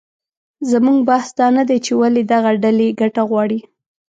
زموږ بحث دا نه دی چې ولې دغه ډلې ګټه غواړي